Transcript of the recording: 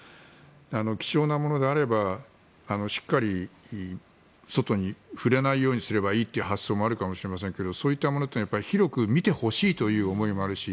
貴重なものであれば、しっかり外に触れないようにすればいいという発想もあるかもしれませんけれどもそういったものというのは広く見てほしいという思いもあるし